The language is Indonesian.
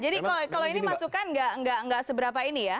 jadi kalau ini masukan tidak seberapa ini ya